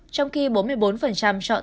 trong khi bốn mươi bốn chọn tổng thống